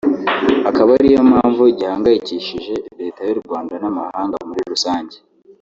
akaba ari yo mpamvu gihangayikishije Leta y’u Rwanda n’amahanga muri rusange